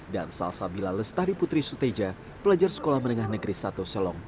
dan salsabila lestari putri suteja pelajar sekolah menengah negeri satu selong